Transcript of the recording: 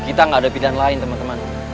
kita gak ada pilihan lain temen temen